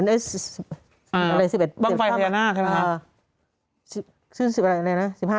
อะไร๑๑๑๑๑๕บ้างไฟพยานาคใช่ปะ